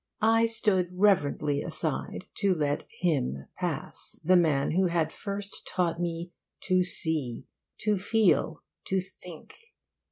I stood reverently aside to let him pass the man who had first taught me to see, to feel, to think.